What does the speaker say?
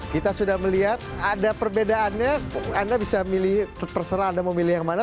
kita sudah melihat ada perbedaannya anda bisa milih terserah anda mau milih yang mana